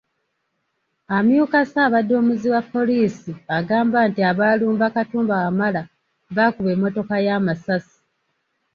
Amyuka ssaabadumizi wa poliisi agamba nti abaalumba Katumba Wamala baakuba emmotoka ye amasasi.